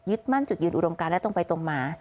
มั่นจุดยืนอุดมการและตรงไปตรงมา